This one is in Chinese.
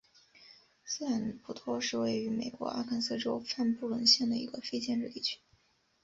斯坦普托是位于美国阿肯色州范布伦县的一个非建制地区。